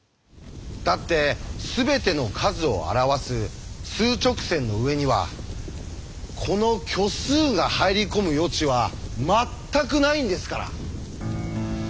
だってすべての数を表す数直線の上にはこの虚数が入り込む余地は全くないんですから。